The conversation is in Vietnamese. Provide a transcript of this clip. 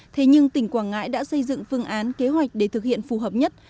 thế nhưng tỉnh quảng ngãi đã xây dựng phương án kế hoạch để thực hiện phù hợp nhất